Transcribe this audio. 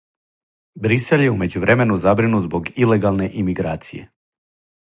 Брисел је у међувремену забринут због илегалне имиграције.